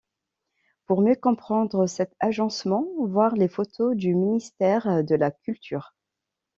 Pour mieux comprendre cet agencement voire les photos du Ministère de la Culture.